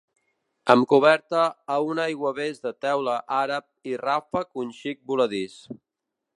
Amb coberta a un aiguavés de teula àrab i ràfec un xic voladís.